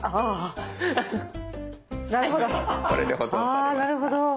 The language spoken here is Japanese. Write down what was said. あなるほど。